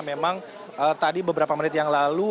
memang tadi beberapa menit yang lalu